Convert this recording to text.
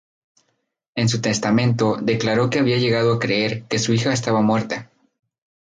En su testamento declaró que había llegado a creer que su hija estaba muerta.